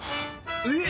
えっ！